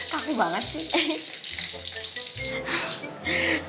kaku banget sih